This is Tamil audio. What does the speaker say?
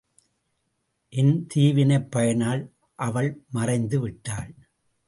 என் தீவினைப் பயனால் அவள் மறைந்துவிட்டாள்.